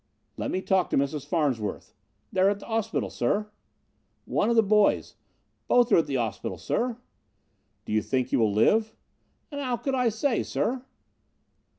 "Let me talk to Mrs. Farnsworth." "They are at the 'ospital, sir." "One of the boys." "Both are at the 'ospital, sir." "Do you think he will live?" "An' 'ow could I say, sir?"